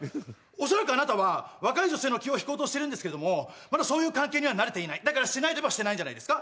恐らくあなたは若い女性の気を引こうとしてるんですけどもまだそういう関係にはなれていないだからしてないといえばしてないんじゃないですか？